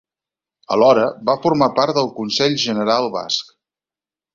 Alhora, va formar part del Consell General Basc.